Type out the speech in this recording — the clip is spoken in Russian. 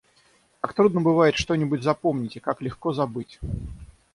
Как трудно бывает что-нибудь запомнить и как легко забыть!